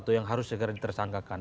siapa yang harus segera tersanggakan